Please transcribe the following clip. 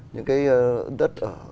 những cái đất ở đó